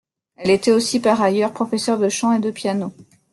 Elle était aussi, par ailleurs, professeur de chant et de piano.